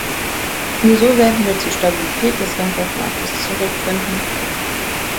Nur so werden wir zur Stabilität des Rindfleischmarktes zurückfinden.